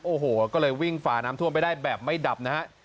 โอ้โหก็เลยวิ่งฝาน้ำท่วมไปได้แบบไม่ดับนะฮะ